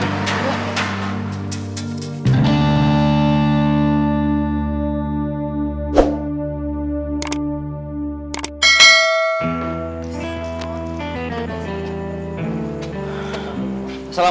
tidak tidak tidak